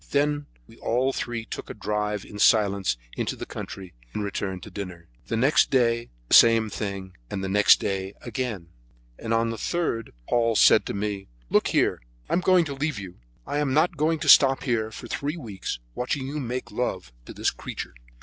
Then we all three took a drive in silence into the country and returned to dinner. The next day it was the same thing and the next day again; and on the third Paul said to me: "Look here, I am going to leave you; I am not going to stop here for three weeks watching you make love to this creature."